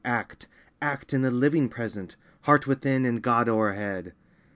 Act, — act in the living Present ! Heart within, and God o'erhead